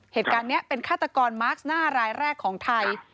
เหตุการณ์นี้เป็นฆาตกรมาสน่ารายแรกของไทย